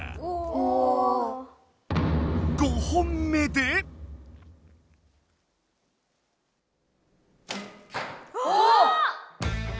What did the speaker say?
５本目で⁉おお！